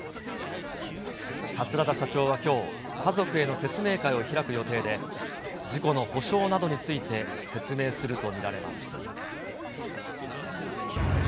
桂田社長はきょう、家族への説明会を開く予定で、事故の補償などについて、説明すると見られます。